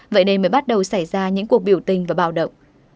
vậy nên mới bắt đầu xảy ra những cuộc biểu tình và bạo động